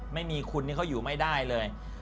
ไม่มีคุณนี่เขาอยู่ไม่ได้เลย